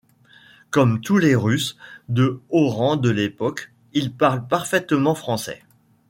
Comme tous les Russes de haut rang de l'époque, il parle parfaitement français.